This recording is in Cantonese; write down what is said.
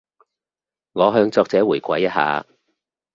我向作者回饋一下